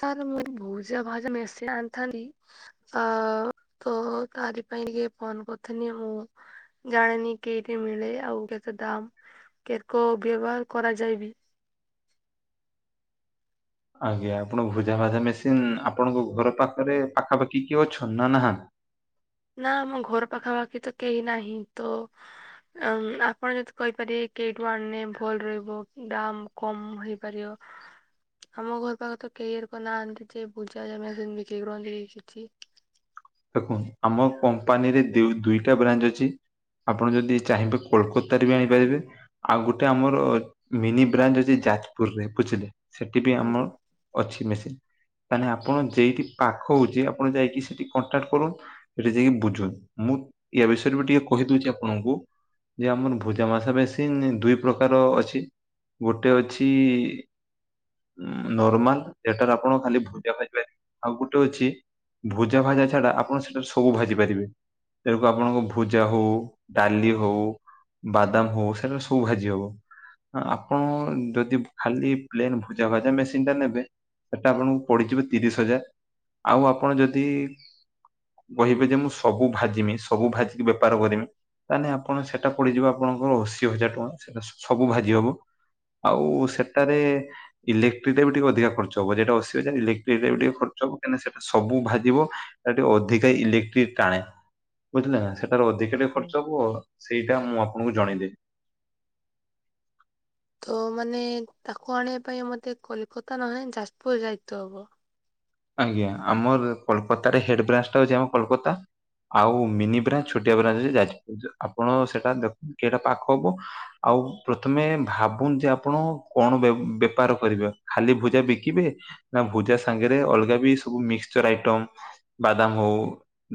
Sir ମୁଁ ଭୋଜି [unintelligible] ମିଶି ଆଥାନି ଆ ତ ତାରି ପାଇଁ ଟିକେ ଫୋନ କରିଥିନି ମୁଁ ଜାଣିନି କେଠି ମିଳେ ଆଉ କେତେ ଦାମ କେ କୋ ବ୍ୟବହାର କରାଯାଏବି। ଆଜ୍ଞା ଆପଣ ଭୋଜା ଭାଜା ମେସିନ ଆପଣଙ୍କ ଘର ପାଖରେ ପାଖାପାଖି କିଏ ଅନ୍ ନା ନାହାନ୍ତି? ନା ଆମ ଘର ପାଖାପାଖି ତ କେହି ନାହିଁ ତ ଆମ୍ ଆପଣ ଯଦି କହିପାରିବେ କେଇଠୁ ଆଣିନେ ଭଲ ରହିବ ଦାମ କମ ହେଇପାରିବ। ଆମ ଘର ପାଖରେ ତ କେହିକ ନାହାନ୍ତି ଯେ ବୁଝାଯାଏ ସେମ୍ ବିକ୍ରି କରନ୍ତି କିଛି। ଦେଖନ୍ତୁ ଆମ କମ୍ପାନୀରେ ଦିଉ-ଦୁଇଟା ବ୍ରାଞ୍ଚ ଅଛି। ଆପଣ ଯଦି ଚାହିଁବେ କୋଲକତାରେ ବି ଆଣିପାରିବେ ଆଉ ଗୋଟେ ଆମର ମିନି ବ୍ରାଞ୍ଚ ଅଛି ଯାଜପୁର ରେ ବୁଝିଲେ ସେଠି ବି ଆମର ଆଜ୍ଞା। ଅଛି ମେସିନ୍। ମାନେ ଆପଣ ଯେଇଠି ପାଖ ହୋଉଚି ଆପଣ ଯାଇକି ସେଇଠି କଣଟାଣୣ କରନ୍ତୁ ସେଠି ଯାଇକ ବୁଝୁନ ମୁଁ ୟା ବିଷୟରେ ବି ଟିକେ କହିଦୋଉଚି ଆପଣଙ୍କୁ। ଯେ ଆମର ଭୋଜା ମାସା ମେସିନ୍ ଦୁଇ ପ୍ରକାରର ଅଛି। ଗୋଟେ ଅଛି ନର୍ମାଲ ସେଟାରେ ଆପଣ ଖାଲି ଭୋଜା ଭାଜା ପାରିବେ। ଆଉ ଗୋଟେ ଅଛି ଭୋଜା ଭାଜା ଛାଡା ଆପଣ ସେଠାରେ ସବୁ ଭାଜି ପାରିବେ। ସେଇଆ କୁ ଆପଣଙ୍କ ଭୁଜା ହଉ ଡାଲି ହଉ ବାଦାମ ହଉ ସେଟାରେ ସବୁ ଭାଜି ହବ। ଆପଣ ଯଦି ଖାଲି ପ୍ଲେନ ଭୁଜା ଭଜା ମେସିନ୍ ଟା ନେବେ ସେଟା ଆପଣଙ୍କୁ ପଡିଯିବ ତିରିଶ ହଜାର ଆଉ ଆପଣ ଯଦି କହିବେ ଯେ ମୁଁ ସବୁ ଭାଜିମି ସବୁ ଭାଜିିକି ବେପାର କରିମି ତାହେଲେ ଆପଣ ସେଟା ପଡିଯିବ ଆପଣଙ୍କର ଅଶୀ ହଜାର ଟଙ୍କା ସେଟା ସ ସବୁ ଭାଜି ହବ ଆଉ ସେଟାରେ ଇଲେକ୍ଟ୍ରିରେ ବି ଟିକେ ଅଧିକା ଖର୍ଚ୍ଚ ହବ ଯେଟା ଅଶୀ ହଜାର ଇଲେକ୍ଟ୍ରିକ ରେ ବି ଟିକେ ଖର୍ଚ୍ଚ ସବୁ କାଇଁନା ସେଟା ସବୁ ଭାଜିବ ସେଟା ଟିକେ ଅଧିକା ଇଲେକ୍ଟ୍ରିକ ଟାଣେ ବୁଝିଲେ ନା ସେ ତାର ଅଧିକ ଟିକେ ଖର୍ଚ୍ଚ ହବ ସେଇଟା ମୁଁ ଆପଣଙ୍କୁ ଜଣେଇଦିଏ। ତ ମାନେ ତାକୁ ଆଣିବା ପାଇଁ ମୋତେ କଲିକତା ନହେ ଯାଜପୁର ଯାଇତ ହବ। ଆଜ୍ଞା ଆମର କୋଲକାତାରେ ହେଡବ୍ରାଞ୍ଚ ଟା ହଉଚି ଆମ କୋଲକାତା। ଆଉ ମିନିବ୍ରାଞ୍ଚ ଛୋଟିଆ ବ୍ରାଞ୍ଚ ହେଉଚି ଯାଜପୁର ଜ ଆପଣ ସେଟା ଦେଖନ୍ତୁ କେଟା ପାଖ ହବ ଆଉ ଆଉ ପ୍ରଥମେ ଭାବୁନ ଯେ ଆପଣ କଣ ବେ ବେପାର କରିବେ ଖାଲି ଭୁଜା ବିକିବେ ନା ଭୁଜା ସାଙ୍ଗେ ରେ ଅଲଗା ବି ମିକ୍ଚର ଆଇଟମ୍ ବାଦାମ ହଉ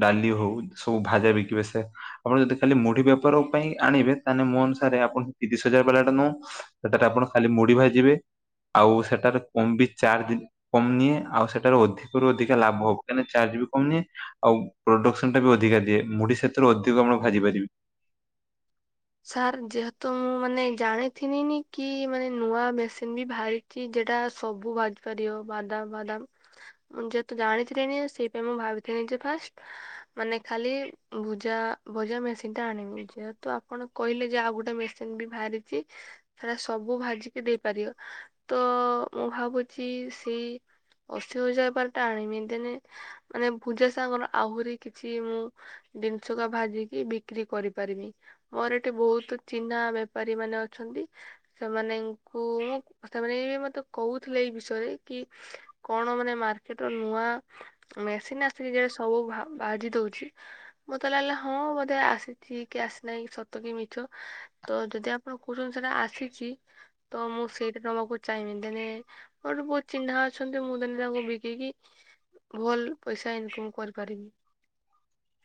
ଡାଲି ହଉ ସବୁ ଭାଜା ବିକି ବେ ସେ ଆପଣ ଯଦି ଖାଲି ମୁଢି ବେପାର ପାଇଁ ଆଣିବେ ତାହେଲେ ମୋ ଅନୁସାରେ ଆପଣ ତିରିଶ ହଜାର ବାଲା ଟା ନଉ ସେଟଟା ଆପଣ ଖାଲି ମୁଡି ଭାଜିବେ ଆଉ ସେଟାରେ କମ ବି ଚାର୍ଜ କମ ନିଏ ଆଉ ସେ ସେଟା ରୁ ଅଧିକରୁ ଅଧିକା ଲାଭ ହବ କା ଚାର୍ଜ ବି କମ ନିଏ ଆଉ ପ୍ରଡକ୍ସନଟା ବି ଅଧିକା ଦିଏ ମୁଢି ସେ ସେଥିରୁ ଅଧିକ ଆପଣ ଭାଜିପାରିବେ। ସାର୍ ଯେହେତୁ ମୁଁ ମାନେ ଜାଣିଥିନିି କି ମାନେ ନୂଆ ମେସିନ୍ ବି ବାହାରିଚି ସେଟା ସବୁ ଭାଜିି ପାରିବ ବାଦାମ ବାଦାମ ମୁଁ ଯେହେତୁ ଜାଣିଥିଲିନି ସେଇପାଇ ମୁଁ ଭାବିଥିଲି ଯେ ଫାଷ୍ଟ ମାନେ ଖାଲି ଭୁଜା ଭଜା ମେସିନ୍ ଟା ଆଣିବୁ ଯେହେତୁ ଆପଣ କହିଲେ ଯେ ଆଉ ଗୋଟେ ମେସିନ୍ ବି ବାହାରିଛି। ସିଏ ସବୁ ଭାଜିକି ଦେଇପାରିବ ତ ତ ମୁଁ ଭାବୁଛି ସେଇ ଅଶି ହଜାର ବାଲାଟା ଆଣିବି। ଦେନେ ମାନେ ଭୂଜା ସାଙ୍ଗର ଆହୁରି କିଛି ମୁଁ ଜିନିଷକା ଭାଜିକି ବିକ୍ରି କରିପାରିବି। ମୋର ଏଠି ବହୁତ ଚିହ୍ନା ବେପାରୀ ମାନେ ଅଛନ୍ତି। ସେମାନଙ୍କୁ ସେମାନେ ମତେ କହୁଥିଲେ ଏଇ ବିଷୟରେ କି କଣ ମାନେ ମାର୍କେଟରେ ନୂଆ ମେସି ଇଏ ଯ ସବୁ ବାଜି ଦଉଛି ମତେ ଲାଗିଲା ହଁ ବୋଧେ ଆସିଛି କି ଆସିନାହିଁ ସତ୍ କି ମିଛ ତ ଯଦି ଆପଣ କହୁଛନ୍ତିସେଟା ଆସିଛି ତ ମୁଁ ସେଇଟା ନବାକୁ ଚାହିଁବି ଏଥିରେ ମୋର ବହୁତ ଚିହ୍ନା ଅଛନ୍ତି ମୁଁ ତନେ ତାଙ୍କୁ ବିକିକି ଭଲ ପଇସା ଇନକମ୍ କରିପାରିବି।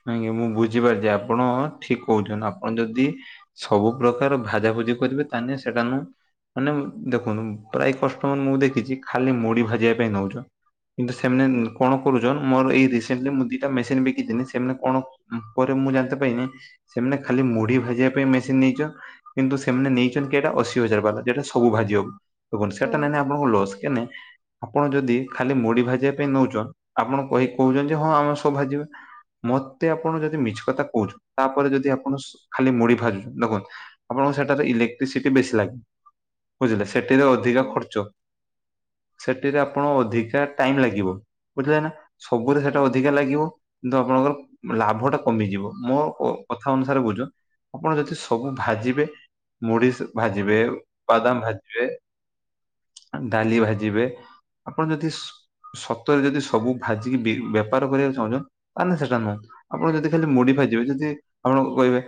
ନଁ ମୁଁ ବୁଝିପାରୁଛି ଆପଣ ଠିକ କହୁଛନ୍ତି ଆପଣ ଯଦି ସବୁ ପ୍ରକାର ଭାଜା ଭୋଜି କରିବେ ତାହେଲେ ସେଟ ନୁ ମାନେ ଦେଖନ୍ତୁ ପ୍ରାୟ କଷ୍ଟମର ମୁଁ ଦେଖିଛି ଖାଲି ମୁଢି ଭାଜିବା ପାଇଁ ନଉଛନ୍ତି। ସେମାନେ ହଁ। କଣ କରୁଛନ୍ ମୋର ଏଇ ରିସେଣ୍ଟ ମୁଁ ଦିଟା ମେସିନ୍ ବିକିିଥିଲି ସେ କଣ ପରେ ମୁଁ ଜାଣି ପାଇିନି ସେମାନେ ଖାଲି ମୁଢି ଭାଜିବା ପାଇଁ ମେସିନ୍ ନେଇଚ କିନ୍ତୁ ସେମାନେ ନେଇଛନ୍ତିଟା ଅଶୀ ହଜାର ବାଲାଟା ସବୁଭାଜି ହବନି ସେଟା ନେଲ ଲସ ନା ନାଇଁ। ଆପଣ ଯଦି ଖାଲି ମୁଢି ଭାଜିବା ପାଇଁ ନେଉଛ। ଆପଣ କହିି କହୁଛନ୍ତି ଯେ ହଁ ଆମେ ସବୁ ଭାଜିବା ମତେ ଆପଣ ଯଦି ମିଛ କଥା କହୁଛନ୍ତିୁ। ତାପରେ ଯଦି ଆପଣ ଖାଲି ମୁଡି ଭାଜୁଛନ୍ତି ଦେଖନ୍ତ ଆପଣ ସେଠାରେ ଇଲେକ୍ଟ୍ରିସିଟି ବୀ ବେଶି ଲାଗ ବୁଝିଲେ ସେଠରେ ଅଧିକ ହୁଁ ଖର୍ଚ ସେଟିରେ ଆପଣ ଅଧିକା ଟାଇମ୍ ଲାଗିବ ବୁଝିଲେ ନା। ସବୁରେ ସେଇଟା ଅଧିକା ଲାଗିବ। କିନ୍ତୁ ଆପଣଙ୍କର ଲାଭଟା କମିଯିବ, ମୋ କଥା ଅନୁସାରେ ବୁଝୁ ଆପଣ ଯଦି ସବୁ ଭାଜିବେ ମୁଢି ସେ ଭାଜିବେ, ବାଦାମ ଭାଜିବେ ଡାଲି ଭାଜିବେ ଆପଣ ଯଦି ସ ସତରେ ଯଦି ସବୁ ଭାଜିକି ବି ବେପାର କରିବାକୁ ଚାହୁଁଚ, ତାହେଲେ ସେ ନଁ ଆପଣ ଯଦି ଖାଲି ମୁଢ଼ି ଭାଜିବେ, ଯଦି ହଁ କହିବେ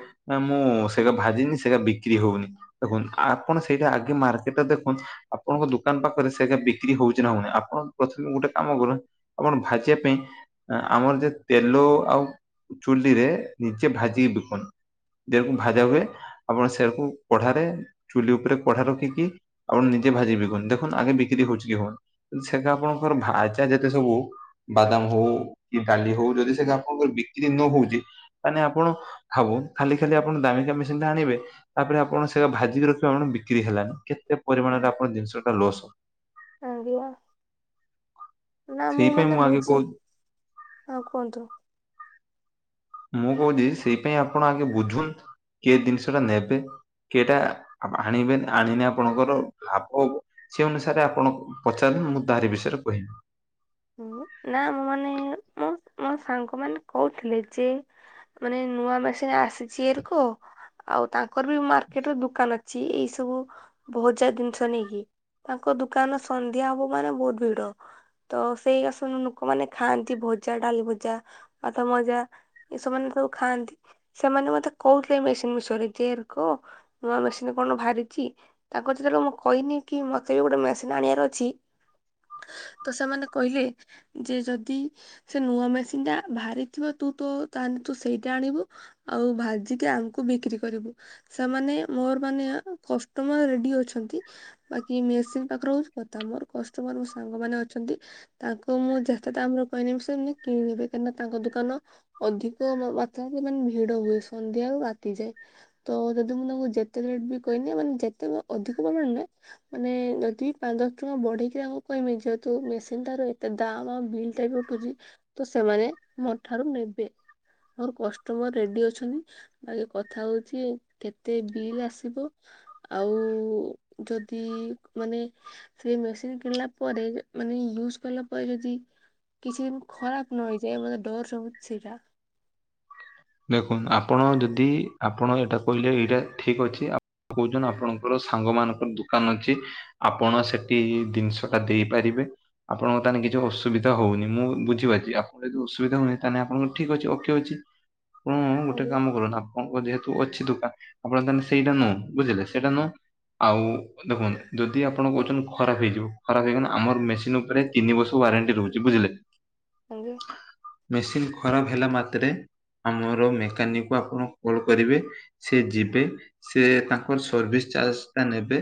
ମୁଁ ସେଟା ଭାଜିନି ସେଟା ବି ବିକ୍ରି ହଉନି ଦେଖନ୍ତୁ, ଆପଣ ସେଇଟା ଆଗେ ମାର୍କେଟ ଦେଖନ୍ତୁ ଆପଣଙ୍କ ଦୋକାନ ପାଖରେ ସେଟା ବିକ୍ରି ହଉ ହଉଛି ନା ହଉନି, ଆପଣ ପ୍ରଥମେ ଗୋଟେ କାମ କରନ୍ତୁ। ଆପଣ ଭାଜିବା ପାଇଁ ଆମର ଯେତେ ତେଲ ଆଉ ଚୁଲିରେ ନିଜେ ଭାଜି କି ବିକନ୍ତୁ। ଦେକୁ ଭାଜା ହୁଏ, ଆପଣ ସେକୁ କଢାରେ ଚୁଲି ଉପରେ କଢା ରଖିକି ଆପଣ ନି ଭାଜି ଦେଖନ୍ତୁ, ଆଗେ ବିକ୍ରି ହଉଛି କି ହଉନି। ସେଟା ଆପଣଙ୍କର ଭାଜା ଯେତେ ସବୁ ବାଦାମ ହଉ କି ଡାଲି ହଉ ଯଦି ସେ ଆପଣଙ୍କର ବିକ୍ରି ନ ହଉଚି ତାହାଲେ ଆପଣ ହାବୁ ଖାଲି ଖାଲି ଆପଣ ଦାମିକା ମେସିନ୍ ଟା ଆଣିବେ ତାପରେ ଆପଣ ସେଇଟା ଭାଜିକି ରଖିବେ। ବିକ୍ରି ହେଲାନି, କେତେ ପରିମାଣରେ ଆପଣ ଜିନିଷଟା ଲସ। ଆଜ୍ଞା ଆଜ୍ଞା। ନା ମୁଁ ମାନେ ବୁଝି, ହଉ କୁହନ୍ତୁ। ମୁଁ କହୁଚି ସେଇପାଇଁ ଆପଣ ଆଗେ ବୁଝନ୍ତୁ କି ଏ ଦିନିଷଟା ନେବେ? କେଟା, ଆପ୍ ଆଣିବେ ନା ଆଣିନେ ଆପଣଙ୍କର, ଲାଭ ହବ, ସେ ଅନୁସାରେ ଆପଣଙ୍କ ପଚାର ମୁଁ ତାରି ବିଷୟରେ କହିବି। ନା, ମୁଁ ମାନେ ଏ, ମୁଁ ମୋ ସାଙ୍ଗ ମାନ କହୁଥିଲେ ଯେ, ମାନେ ନୂଆ ମେସିନ୍ ଆସ ଯେର୍ ଙ୍କ, ଆଉ ତାଙ୍କର ବି ମାର୍କେଟ ର ଦୁକାନ ଅଛି। ଛି, ଏଇ ସବୁ ଭଯା ଜିନିଷ ନେଇକି ତାଙ୍କ ଦୁକାନ ସନ୍ଧ୍ୟା ହବ ମାନେ ବହୁତ ଭିଡ। ତ ସେଇ ଆଶାନ ଲୋକମାନେ ଖାଆନ୍ତି ଭଜା, ଡାଲି ଭଜା, ବାଦାମ ଭାଜା, ଏସବମାନେ ତ ଖାଆନ୍ତି, ସେମାନେ ମତେ କହୁଥିଲେ ଏଇ ମେସିନ୍ ବିଷୟରେ ଯେ ଏରଙ୍କ, ନୂଆ ମେସିନ କଣ ବାହାରିଛି ତାଙ୍କୁ ଯେତେବେଳେ ମୁଁ କହିନି କି ମତେ ବି ଗୋଟେ ମେସିନ ଆଣିବାର ଅଛି। [inaudible] ତ ସେମାନେ କହିଲେ, ଯେ ଯଦି, ସେ ନୂଆ ମେସିନ୍ ଟା ବାହାରିଥିବ ତୁ ତ ତା ତୁ ସେଇଟା ଆଣିବୁ, ଆଉ ଭାଜିକି ଆମକୁ ବିକ୍ରି କରିବୁ। ସେମାନେ, ମୋର ମାନେ କଷ୍ଟମର ରେଡି ଅଛନ୍ତି, ବାକି ମେସିନ୍ ପାଖରେ ହଉଚି କଥା। ମୋର୍ କଷ୍ଟମର ମୋ ସାଙ୍ଗ ମାନ ଅଛନ୍ତି। ତାଙ୍କୁ ମୁଁ ଯେତେ ଦାମ୍ ର କହିନେ ବି ସେମନେ କିଣିନେବେ। କେ ନା ତାଙ୍କ ଦୋକାନ ଅଧିକ ମାତ୍ରାରେ ମାନେ ଭିଡ ହୁଏ। ସନ୍ଧ୍ୟା ବାତିଯାଏ। ତ ଯଦି ମୁଁ ତାଙ୍କୁ ଯେତେ ରେଟ ବି କହିନେ, ମାନେ ଯେତେ ଅଧିକ ପରିମାଣ ରେ ମାନେ, ଯଦି ବି ପାଞ୍ଚ ଦଶ ଟଙ୍କା ବଢେଇକି ତାଙ୍କୁ କହିମି, ଯ ତ ମେସିନ୍ ଟାର ଏତେ ଦାମ ଆଉ ବିଲ୍ ଟାଇପ ଉଠୁଛି, ତ ସେମାନେ ମୋ ଠାରୁ ନେବେ। ଆମର କଷ୍ଟମର ରେଡି ଅଛନ୍ତି। ବାକି କଥା ହଉଛି କେତେ ବିଲ୍ ଆସିବ, ଆଉ, ଉ, ଯଦି, ମାନେ ସେ ମେସିନ୍ କିଣିଲା ପରେ, ମାନେ ୟୁଜ କଲା ପରେ ଯଦି, କିଛି ଦିନ ଖରାପ ନ ହେଇଯାଏ, ମୋତେ ଡର ସବୁ ସେଇଟା। ଦେଖନ୍ତୁ, ଆପଣ ଯଦି, ଆପଣ ଏଇଟା କହିଲେ, ଏଇଟା ଠିକ୍ ଅଛି। କହୁଛନ୍ ଆପଣଙ୍କର ସାଙ୍ଗ ମାନଙ୍କର ଦୁକାନ ଅଛି, ଆପଣ ସେଠି ଜିନିଷ ଟା ଦେଇପାରିବେ। ଆପଣଙ୍କର ତାହେନେ କିଛି ଅସୁବିଧା ହଉନି। ମୁଁ ବୁଝିପାରିଛି ଆପଣ ଯଦି ଅସୁବିଧା ହଉନି ତାହେନେ ଆପଣଙ୍କୁ ଠିକ୍ ଅଛି ଠି ଅଛି। ମୁଁ ଗୋଟେ ଆଜ୍ଞା କାମ କରନ୍ତୁ ଆପ୍ ଆପଣଙ୍କ ଯେହେତୁ ଅଛି ଦୁକାନ ଆପଣ ତାହେଲେ ସେଇଟା ନୁ। ବୁଝିଲେ ସେଇଟା ନୁଉ ଆଉ ଦେଖନ୍ତୁ, ଯଦି ଆପଣ କହୁଛନ୍ ଖରାପ ହେଇଯିବ, ଖରାପ ହେଇଗନେ ଆମର ମେସିନ ଉପରେ ତିନି ବର୍ଷ ୱାରେଣ୍ଟି ରହୁଛି ବୁଝିଲେ। ଆଜ୍ଞା। ମେସିନ୍ ଖରାପ ହେଲା ମାତ୍ରେ ଆମର ମେକାନିକ କୁ ଆପଣ କଲ୍ କରିବେ ସେ ଯିବେ ସେ ତାଙ୍କର ସର୍ଭିସ୍ ଚାର୍ଜ ସ୍ତା ନେବେ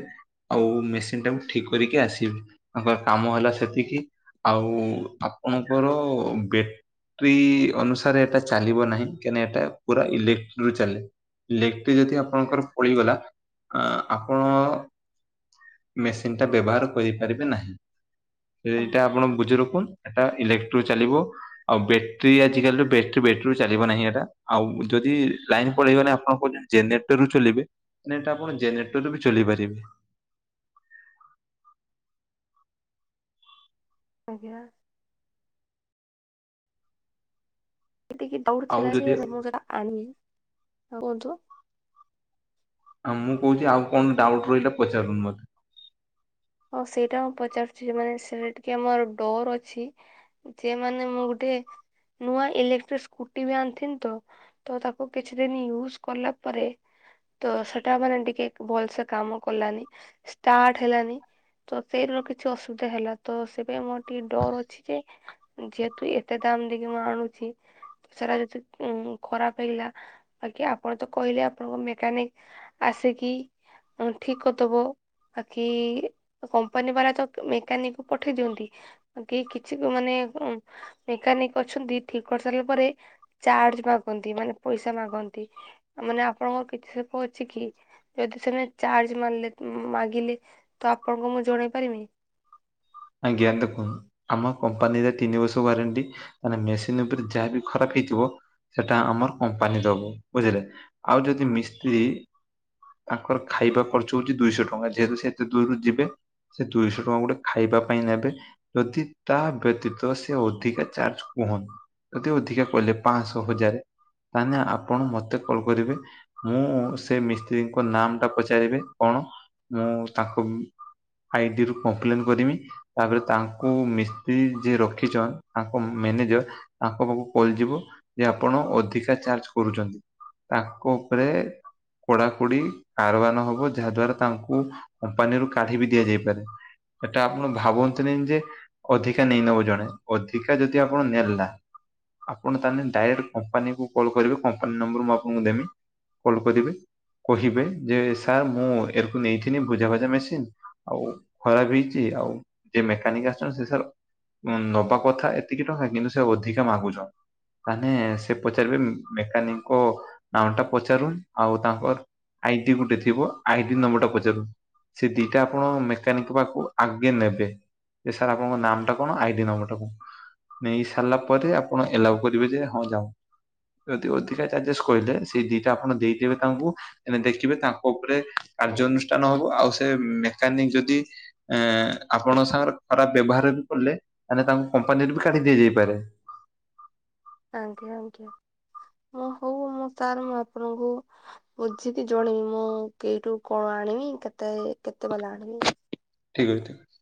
ଆଉ ମେସିନ ଟାକୁ ଠିକ୍ କରିକି ଆସିବେ। ତାଙ୍କର କାମ ହେଲା ସେତିକି। ଆଉ ଉ ଆପଣଙ୍କର ବେଟ୍ରି ଅନୁସାରେ ଏଟା ଚାଲିବ ନାହିଁ। କାଇନା ଏଟା ପୁରା ଇଲେକ୍ଟ୍ରି ରେ ଚାଲେଇଲେକ୍ଟ୍ରି ଯଦି ଆପଣଙ୍କର ପଳିଗଲା ଆଁ ଆପଣ ମେସିନ୍ ଟା ବ୍ୟବହାର କରିପାରିବେ ନାହିଁ। ଏଇଟା ଆଜ୍ଞା ଆପଣ ବୁଝି ରଖୁନ ଏଟା ଇଲେ ରୁ ଚାଲିବ ଆଉ ବ୍ୟାଟ୍ରି ଆଜିକାଲି ବେଟ୍ରି ବେଟ୍ରି ରୁ ଚାଲିବ ନାହିଁ ଆଉ ଯଦି ଲାଇନ ପଳେଇ ଗନେ ଆପଣ କହୁଚନ୍ତି ଜେନେଟରରୁ ଚଲିବେ ଦେନେ ଆପଣ ଜେନେଟର ଚଲି ପାରିବେ ଆଜ୍ଞା। ଏତିକି ଡାଉଟ ଆଉ ଥିଲା ଯେ ଯଦି ମୁଁ ସେଟା ଆଣିବି। କୁହନ୍ତୁ? ଆଉ ମୁଁ କହୁଛି ଆଉ କଣ ଡାଉଟ୍ ରହିଲା ପଚାରୁନ ମତେ? ହଁ ସେଇଟା ମୁଁ ପଚାରୁଛି ଯେ ମାନେ ସେଟା ଟିକେ ମୋର ଡର ଅଛି। ଯେ ମାନେ ମୁଁ ଗୋଟେ ସେ ନୂଆ ଇଲେକ୍ଟ୍ରିକ ସ୍କୁଟି ବି ଆଣିିଥିନି ତ ତ ତାକୁ କିଛି ଦିନ ୟୁଜ କଲା ପରେ ତ ସେଟା ମାନେ ଟିକେ ଭଲସେ କାମ କଲାନି ଷ୍ଟାର୍ଟ ହେଲାନି। ତ ସେଇର କିଛି ଅସୁବିଧା ହେଲା ତ ସେ ପାଇଁ ମୋର ଟିକେ ଡର ଅଛି ଯେ ଯେହେତୁ ଏତେ ଦାମ୍ ଦେଇକି ମୁଁ ଆଣୁଚି ସାରା ଯଦି ଉ ଖରାପ ହେଇଗଲା ବାକି ଆପଣ ତ କହିଲେ ଆପଣଙ୍କ ମେକାନିକ ଆସ ଆସ କିି ଠିକ କରିଦବ ବାକି କମ୍ପାନୀ ବାଲା ତ ମେକାନିକ କ ପଠେଇ ଦିଅନ୍ତି କି କିଛି ମାନେ ମେକାନିକ ଅଛନ୍ତି ଠିକ୍ କରିସାରିଲା ପରେ ଚାର୍ଜ ମାଗନ୍ତି ମାନେ ପଇସା ମାଗନ୍ତି ମାନେ ଆପଣଙ୍କର କିଛି ସୋକ ଅଛି କି ଯଦି ସେମାନେ ଚାର୍ଜ ମାରିଲେ ମାଗିଲେ ତ ଆପଣଙ୍କୁ ମୁଁ ଜଣେଇ ପାରିବି। ଆଜ୍ଞା ଦେଖନ୍ତୁ ଆମ କମ୍ପାନୀରେ ତିନି ବର୍ଷ ୱାରେଣ୍ଟିେ ମେସିନ୍ ଉପରେ ଯାହା ବି ଖରାପ ହେଇଥିବ ସେଟା ଆମର କପାନୀ ଦବ ବୁଝିଲେ ଆଉ ଯଦି ମିସ୍ତ୍ରୀ ତାଙ୍କର ଖାଇବା ଖର୍ଚ୍ଚ ହଉଛି ଦୁଇଶହ ଟଙ୍କା ଯେହେତୁ ସେ ଏତେ ଦୂରରୁ ଯିବେ। ସେ ଦୁଇଶହ ଟଙ୍କା ଗୋଟେ ଖାଇବା ପାଇଁ ନେବେ ଯଦି ତା ବ୍ୟତୀତ ସେ ଅଧିକା ଚାର୍ଜ କୁହନ୍ତୁ ଯଦି ଅଧିକା କଲେ ପାଞ୍ଚଶହ ହଜାର ତାହେଲେ ଆପଣ ମତେ କଲ କରିବେ ମୁଁ ସେ ମିସ୍ତ୍ରୀଙ୍କ ନାମ ଟା ପଚାରିବେ କଣ ମୁଁ ତାଙ୍କ ଆଇଡିରୁୁ କମ୍ପ୍ଲେନ କରିବି। ତାପରେ ତାଙ୍କୁ ମିସ୍ତ୍ରୀ ଯିଏ ରଖିଛନ୍ ତାଙ୍କ ମ୍ୟାନେଜର ତାଙ୍କ ପାଖକୁ କଲଯିବ। ଯେ ଆପଣ ଅଧିକା ଚାର୍ଜ କରୁଛନ୍ତି ତାଙ୍କ ଉପରେ କୋଡା କୋଡି କାରବାନ ହବ ଯାହା ଦ୍ଵାରା ତାଙ୍କୁ କମ୍ପାନୀରୁ କାଢି ବି ଦିଆଯାଇପାରେ। ଏଟା ଆପଣ ଭାବନ୍ତିନି ଯେ ଅଧିକା ନେଇ ନବ ଜଣେ ଅଧିକା ଯଦି ଆପଣ ନେଲା ଆପଣ ତାହେଲେ ଡାଇରେକ୍ଟ କମ୍ପାନୀକୁ କଲ୍ କରିବେ କମ୍ପାନୀ ନମ୍ବର ମୁଁ ଆପଣଙ୍କୁ ଦେମି। କଲ୍ କରିବେ କହିବେ ଯେ ସାର୍ ମୁଁ ଏଇଠୁ ନେଇଥିଲି ଭୁଜା ଭଜା ମେସିନ ଆଉ ଖରାପ ହେଇଛି ଆଉ- ଯେ ମେକାନିକ ଆସଛନ୍ତି ସେ ସାର୍ ନବା କଥା ଏତିକି ଟଙ୍କା କିନ୍ତୁ ସେ ଅଧିକା ମାଗୁଛନ୍। ମାନେ ସେ ପଚାରିବେ ମେକାନିକଙ୍କ ନାଁ ଟା ପଚାରୁନ ଆଉ ତାଙ୍କର ଆଇ ଟି ଗୋଟେ ଥିବ ଆଇ ଟି ନମ୍ବରଟା ପଚାରିବ। ସେ ଦିଟା ଆପଣ ମେକାନିକ ପାଖକୁ ଆଗେ ନେବେ। ସାର୍ ଆପଣଙ୍କ ନାମ ଟା କଣ ଆଇଡି ନମ୍ବର କଣ। ନେଇ ସାରିଲା ପରେ ଆପଣ ଏଲାଉ କରିବେ ଯେ ହଁ ଯାଉ ଯଦି ଅଧିକା ଚାର୍ଜେଷ୍ଟ କହିଲେ ସେଇ ଦିଟା ଆପଣ ଦେଇଦେବେ ତାଙ୍କୁ ଦେଖିବେ ତାଙ୍କ ଉପରେ କାର୍ଯ୍ୟାନୁଷ୍ଠାନ ହବ ଆଉ ସେ ମେକାନିକ ଯଦି ଏ ଆପଣଙ୍କ ସାଙ୍ଗରେ ଖରାପ ବ୍ୟବହାର ବି କଲେ ମ ତାଙ୍କୁ କମ୍ପାନୀରେ ବି କାଢି ଦିଆଯାଇପାରେ। [unintelligible] ଆଜ୍ଞା ଆଜ୍ଞା। ଓ ହଉ ମୁଁ ସାର୍ ମୁଁ ଆପଣଙ୍କୁ ବୁଝିକି ଜଣେଇବି ମୁଁ କେଇଠୁ କଣ ଆଣିବି କେତେ କେତେ ବାଲା ଆଣିବି ଠିକ୍ ଅଛି ଠିକ ଅଛି